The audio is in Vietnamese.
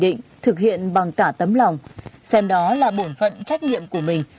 định thực hiện bằng cả tấm lòng xem đó là bổn phận trách nhiệm của mình